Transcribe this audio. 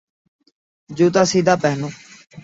جوتا سیدھا پہنو